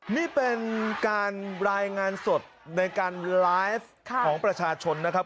นี่เป็นการรายงานสดในการไลฟ์ของประชาชนนะครับ